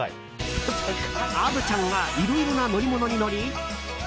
虻ちゃんがいろいろな乗り物に乗り